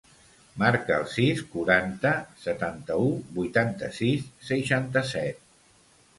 Marca el sis, quaranta, setanta-u, vuitanta-sis, seixanta-set.